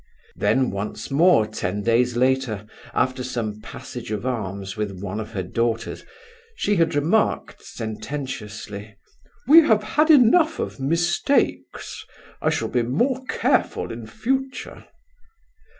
Then once more, ten days later, after some passage of arms with one of her daughters, she had remarked sententiously. "We have had enough of mistakes. I shall be more careful in future!"